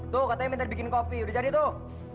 tuh katanya minta dibikin kopi udah jadi tuh